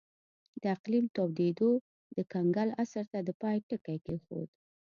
د اقلیم تودېدو د کنګل عصر ته د پای ټکی کېښود